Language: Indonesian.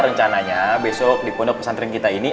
rencananya besok di pondok pesantren kita ini